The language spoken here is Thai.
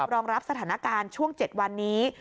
รองรับสถานการณ์ช่วง๗วันนี้